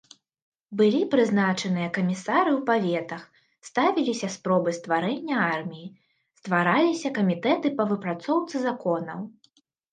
Былі прызначаныя камісары ў паветах, ставіліся спробы стварэння арміі, ствараліся камітэты па выпрацоўцы законаў.